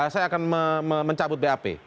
saya akan mencabut bap